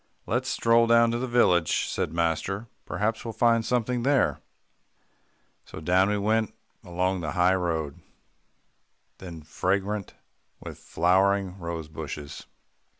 "Let's stroll down to the village," said master. "Perhaps we'll find something there." So down we went along the high road, then fragrant with flowering rosebushes.